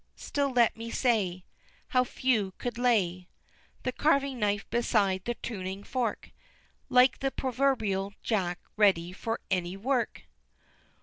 still let me say, How few could lay The carving knife beside the tuning fork, Like the proverbial Jack ready for any work!